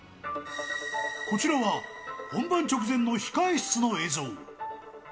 こちらは、本番直前の控室の映像。